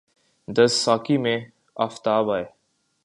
دست ساقی میں آفتاب آئے